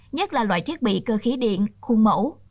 nhất là loại thiết bị cơ khí điện khuôn mẫu